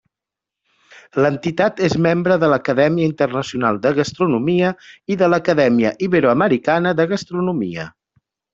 L'entitat és membre de l'Acadèmia Internacional de Gastronomia i de l'Acadèmia Iberoamericana de Gastronomia.